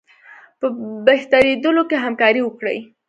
په بهترېدلو کې همکاري وکړي.